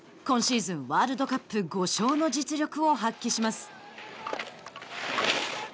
今シーズンワールドカップ５勝の実力を発揮します。